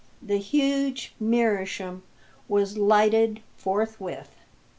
The huge meerschaum was lighted forthwith.